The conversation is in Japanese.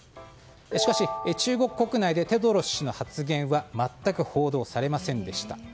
しかし中国国内でテドロス氏の発言は全く報道されませんでした。